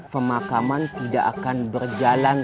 pemakaman tidak akan berjalan